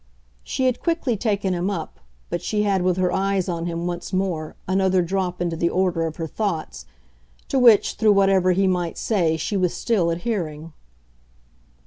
She had quickly taken him up; but she had, with her eyes on him once more, another drop into the order of her thoughts, to which, through whatever he might say, she was still adhering.